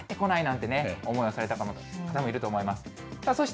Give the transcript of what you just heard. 返ってこないなんて思いをされた方もいると思います。